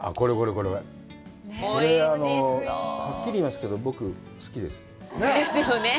これ、はっきり言いますけど、僕、好きです。ですよね。